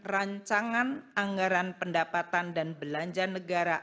rancangan anggaran pendapatan dan belanja negara